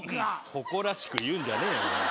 誇らしく言うんじゃねえよ。